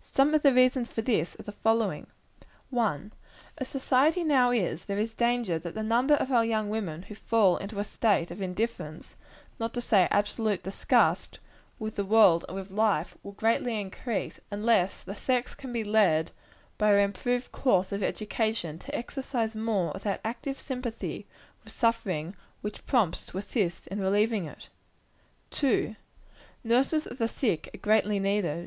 Some of the reasons for this are the following: 1. As society now is, there is danger that the number of our young women who fall into a state of indifference, not to say absolute disgust, with the world and with life, will greatly increase, unless the sex can be led, by an improved course of education, to exercise more of that active sympathy with suffering which prompts to assist in relieving it. 2. Nurses of the sick are greatly needed.